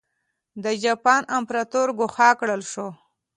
د جاپان امپراتور ګوښه کړل شو.